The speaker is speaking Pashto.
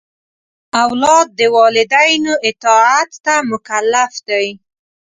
اولاد د والدینو اطاعت ته مکلف دی.